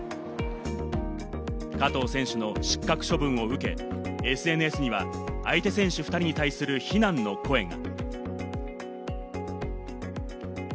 加藤選手の失格処分を受け、ＳＮＳには相手選手２人に対する非難の声が。